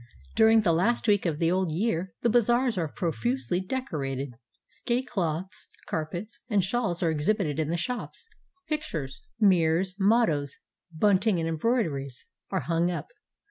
During the last week of the old year the bazaars are profusely decorated. Gay cloths, carpets, and shawls are exhibited in the shops. Pictures, mirrors, mottoes, bunting, and embroideries are hung up.